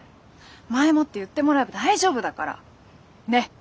前もって言ってもらえば大丈夫だから。ね！